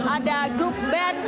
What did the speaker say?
ada grup band